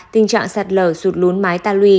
tình trạng sát lờ sụt lún mái ta lùi